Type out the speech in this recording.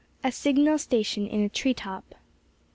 A SIGNAL STATION IN A TREE TOP.